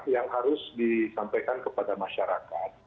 yang harus disampaikan kepada masyarakat